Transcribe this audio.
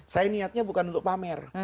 saya niatnya bukan untuk pamer